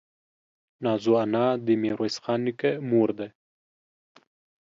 نازو انا دې ميرويس خان نيکه مور ده.